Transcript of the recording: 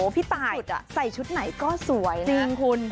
พี่ตายใส่ชุดไหนก็สวยนะ